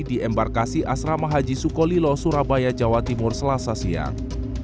di embarkasi asrama haji sukolilo surabaya jawa timur selasa siang